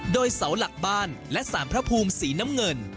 โดยเสาหลักบ้านและสารพระภูมิสีน้ำเงิน